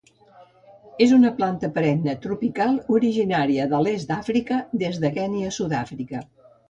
És una planta perenne tropical originària de l'est d'Àfrica, des de Kenya a Sud-àfrica.